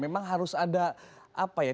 memang harus ada apa ya